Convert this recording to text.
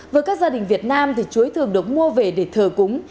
với các gia đình việt nam thì chuối thường được mua về để thờ cúng